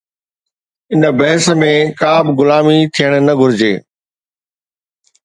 ان بحث ۾ ڪا به غلامي نه ٿيڻ گهرجي